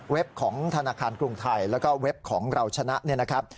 ของธนาคารกรุงไทยแล้วก็เว็บของเราชนะเนี่ยนะครับ